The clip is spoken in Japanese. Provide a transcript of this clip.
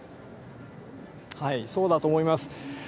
そうだと思います。